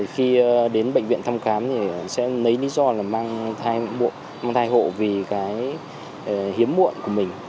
khi đến bệnh viện thăm khám sẽ lấy lý do mang thai hộ vì hiếm muộn của mình